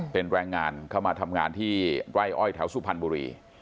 เป็นแรงงานเข้ามาทำงานที่ไร่อ้อยแถวสุพรรณบุรี